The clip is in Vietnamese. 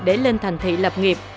để lên thành thị lập nghiệp